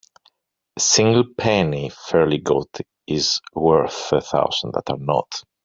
A single penny fairly got is worth a thousand that are not.